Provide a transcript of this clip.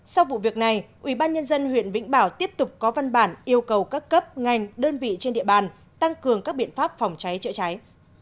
sau vụ việc này ubnd huyện vĩnh bảo tiếp tục có văn bản yêu cầu các cấp ngành đơn vị trên địa bàn tăng cường các biện pháp phòng cháy chữa cháy